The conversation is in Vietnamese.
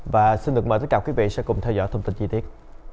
và xin được mời tất cả quý vị sẽ cùng theo dõi thông tin chi tiết